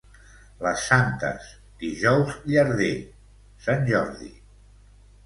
Les Santes, Dijous llarder, Sant Jordi.